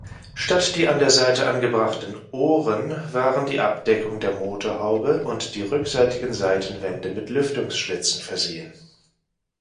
Statt die an der Seite angebrachten „Ohren“ waren die Abdeckung der Motorhaube und die rückseitigen Seitenwände mit Lüftungsschlitzen versehen.